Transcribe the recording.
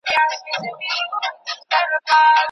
چي له ازله یې له شپو سره عادت کړی دی